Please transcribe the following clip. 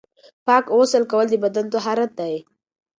پاک غسل کول د بدن طهارت دی.